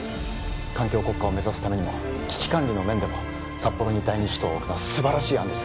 環境国家を目指すためにも危機管理の面でも札幌に第二首都を置くのは素晴らしい案です